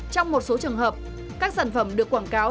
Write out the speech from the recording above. trong một số trường hợp các sản phẩm được quảng cáo